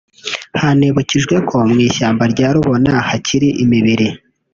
Hanibukijwe ko mu ishyamba rya Rubona hakiri imibiri